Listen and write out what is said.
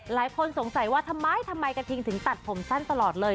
หลายคนสงสัยว่าทำไมทำไมกระทิงถึงตัดผมสั้นตลอดเลย